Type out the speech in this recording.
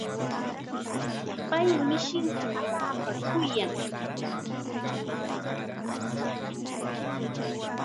Pay mishinta allaapam kuyan.